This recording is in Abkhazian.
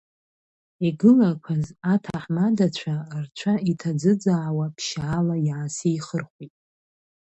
Игылақәаз аҭаҳмадацәа рцәа иҭаӡыӡаауа ԥшьшьала иаасеихырхәеит.